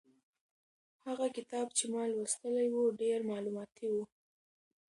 هغه کتاب چې ما لوستلی و ډېر مالوماتي و.